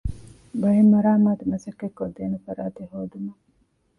ބައެއް މަރާމާތު މަސައްކަތް ކޮށްދޭނެ ފަރާތެއް ހޯދުމަށް